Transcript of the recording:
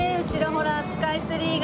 ほらスカイツリーが。